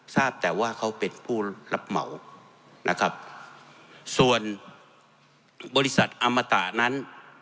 ทราบแต่ว่าเขาเป็นผู้รับเหมานะครับส่วนบริษัทอมตะนั้น